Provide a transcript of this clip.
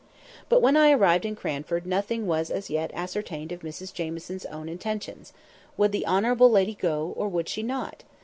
But when I arrived in Cranford, nothing was as yet ascertained of Mrs Jamieson's own intentions; would the honourable lady go, or would she not?